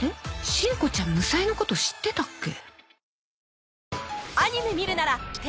しんこちゃんむさえのこと知ってたっけ？